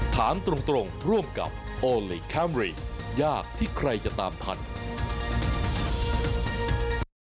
ถามตรงร่วมกับโอลี่คัมรี่ยากที่ใครจะตามทัน